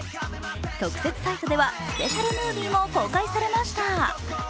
特設サイトではスペシャルムービーも公開されました。